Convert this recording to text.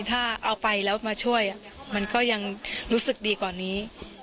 ถ้าเอาไปแล้วมาช่วยมันก็ยังรู้สึกดีกว่านี้